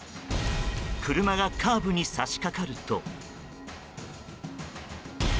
車がカーブに差し掛かると。